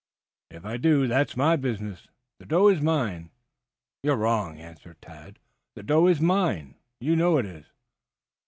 "If I do, that's my business. The doe is mine." "You are wrong," answered Tad. "The doe is mine. You know it is."